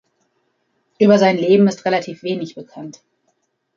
Über sein Leben ist relativ wenig bekannt.